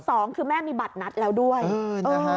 สองคือแม่มีบัตรนัดแล้วด้วยเออ